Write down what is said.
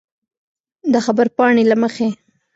د خبرپاڼې له مخې